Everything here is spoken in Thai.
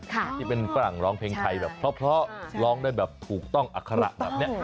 ที่เป็นฝรั่งร้องเพลงไทยแบบเพราะร้องได้แบบถูกต้องอัคระแบบนี้